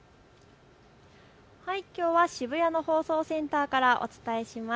きょうは渋谷の放送センターからお伝えします。